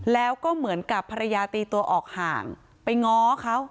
แล้วก็เหมือนกับภรรยาตีตัวออกห่างไปง้อเขา